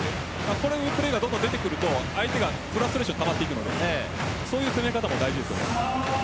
こういったプレーが出てくると相手がフラストレーションがたまっていくのでそういう攻め方も大事です。